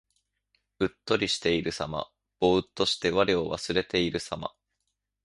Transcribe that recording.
うっとりしているさま。ぼうっとして我を忘れているさま。